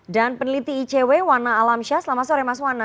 dan peneliti icw wana alamsyah selamat sore mas wana